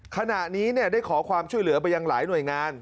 ขณะนี้ได้ขอความช่วยเหลือไปยังหลายหน่วยงาน